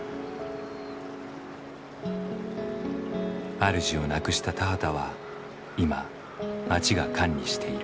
あるじをなくした田畑は今町が管理している。